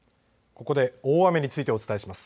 ここで大雨についてお伝えします。